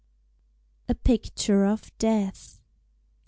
A PICTURE OF DEATH.